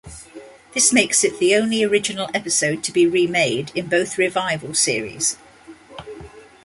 This makes it the only original episode to be remade in both revival series.